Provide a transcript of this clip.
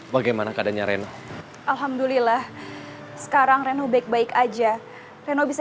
bagaimana keadaannya reno alhamdulillah sekarang reno baik baik aja reno bisa